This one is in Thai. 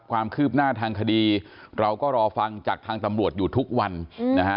ความคืบหน้าทางคดีเราก็รอฟังจากทางตำรวจอยู่ทุกวันนะฮะ